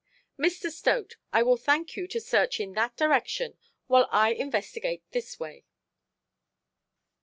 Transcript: "Mr. Stote, I will thank you to search in that direction, while I investigate this way".